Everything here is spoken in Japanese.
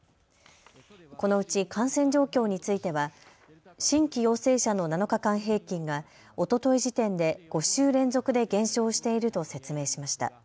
このうち感染状況については新規陽性者の７日間平均がおととい時点で５週連続で減少していると説明しました。